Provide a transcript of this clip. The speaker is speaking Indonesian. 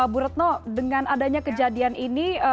bu retno dengan adanya kejadian ini